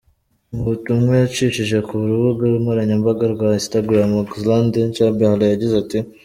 Mu butumwa yacishije ku rubuga nkoranyambaga rwa Instagram, Oxlade-Chamberlain yagize ati: .